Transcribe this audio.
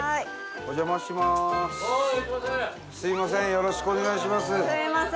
よろしくお願いします。